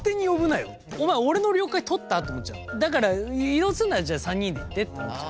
だから移動するならじゃあ３人で行ってってなっちゃう。